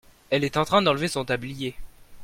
elle est en train d'enlever son tablier.